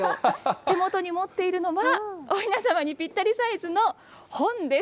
手元に持っているのは、おひなさまにぴったりサイズの本です。